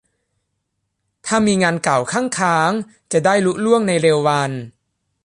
ถ้ามีงานเก่าคั่งค้างจะได้ลุล่วงในเร็ววัน